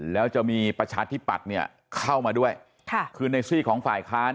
แล้วจะมีประชาธิปัตย์เนี่ยเข้ามาด้วยคือในซี่ของฝ่ายค้าน